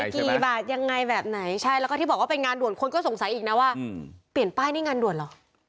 กี่บาทยังไงแบบไหนใช่แล้วก็ที่บอกว่าเป็นงานด่วนคนก็สงสัยอีกนะว่าเปลี่ยนป้ายนี่งานด่วนเหรอ